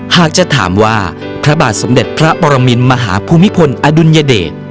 หากจะถามว่าพระบาทสมเด็จพระปรมินมหาภูมิพลอดุลยเดช